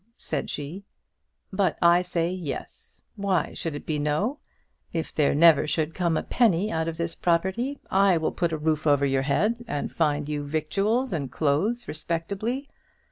said she. "But I say yes. Why should it be no? If there never should come a penny out of this property I will put a roof over your head, and will find you victuals and clothes respectably.